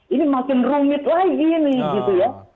ini makin rumit lagi ini gitu ya